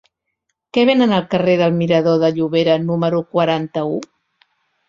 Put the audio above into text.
Què venen al carrer del Mirador de Llobera número quaranta-u?